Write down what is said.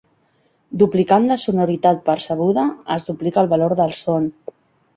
Duplicant la sonoritat percebuda es duplica el valor del son.